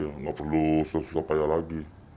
nggak perlu sesepaya lagi